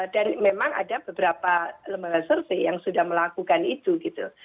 dan memang ada beberapa lembaga survei yang sudah melakukan itu gitu